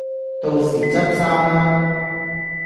到時執生啦